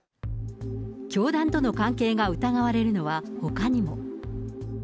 教団との関係が疑われるのはほかにも。